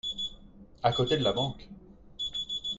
À côté de la banque.